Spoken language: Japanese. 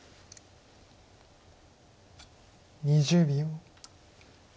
２０秒。